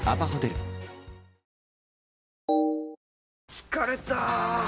疲れた！